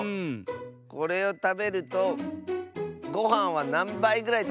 これをたべるとごはんはなんばいぐらいたべられますか？